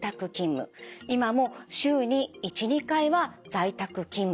今も週に１２回は在宅勤務。